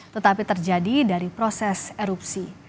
tetapi terjadi dari proses erupsi